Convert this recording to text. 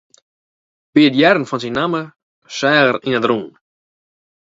By it hearren fan syn namme seach er yn it rûn.